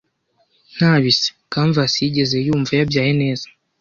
nta bise canvas yigeze yumva yabyaye neza